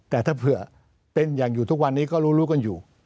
แต่ถ้าอยากอยู่ทุกวันนี้ก็รู้กันอยู่